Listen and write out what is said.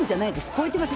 超えてます。